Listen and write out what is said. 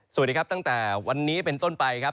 สวัสดีครับตั้งแต่วันนี้เป็นต้นไปครับ